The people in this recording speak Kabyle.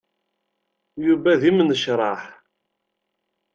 Yuba d imnecṛaḥ.